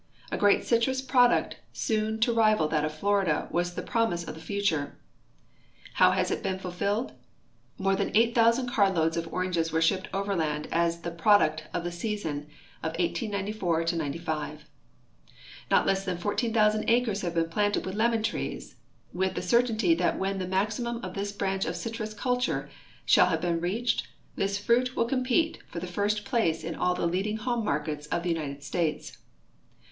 A great citrus ju'oduct soon to rival that of Florida was the promise of the future. How has it been fulfilled ? More than 8,000 carloads of oranges were shipped overland as the i')roduct of the season of 1894 '95. Not less than 14,000 acres have been planted with lemon trees, with the certainty that when the maximum of this branch of citrus culture shall have been reached, this fruit will compete for the first place in all the leading home markets of the United States.